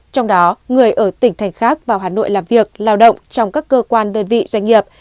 trong đó người ở tỉnh thành khác vào hà nội làm việc lao động trong các cơ quan đơn vị doanh nghiệp